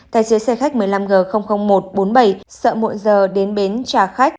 tài xế xe khách một mươi năm g một trăm bốn mươi bảy sợ muộn giờ đến bến trả khách